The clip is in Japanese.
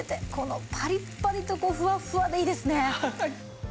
このパリッパリとふわっふわでいいですね。